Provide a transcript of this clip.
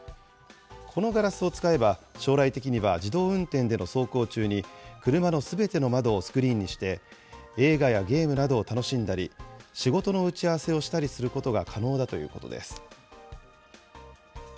このガラスを使えば、将来的には自動運転での走行中に、車のすべての窓をスクリーンにして、映画やゲームなどを楽しんだり、仕事の打ち合わせをしたりすることが可能だということです。